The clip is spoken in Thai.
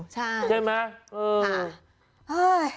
ใช่ใช่ไหมเออค่ะ